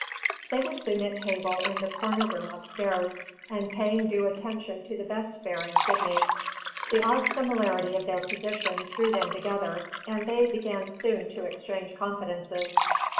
They were soon at table in the corner room up stairs, and paying due attention to the best fare in Sydney. The odd similarity of their positions drew them together, and they began soon to exchange confidences.